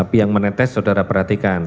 api yang menetes saudara perhatikan